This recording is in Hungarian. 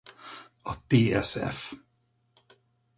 A tszf.